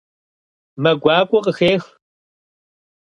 Мэ гуакӏуэ къыхех.